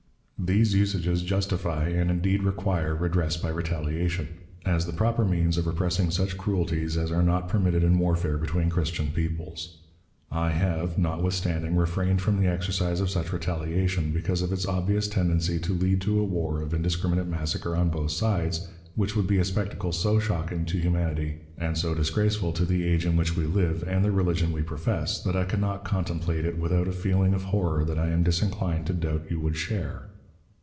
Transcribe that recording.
"These usages justify, and indeed require, redress by retaliation, as the proper means of repressing such cruelties as are not permitted in warfare between Christian peoples. I have, notwithstanding, refrained from the exercise of such retaliation, because of its obvious tendency to lead to a war of indiscriminate massacre on both sides, which would be a spectacle so shocking to humanity and so disgraceful to the age in which we live and the religion we profess, that I can not contemplate it without a feeling of horror that I am disinclined to doubt you would share.